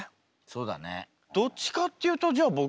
そうだね。